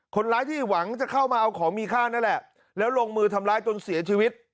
คนร้ายที่หวังจะเข้ามาเอาของมีค่านั่นแหละแล้วลงมือทำร้ายจนเสียชีวิต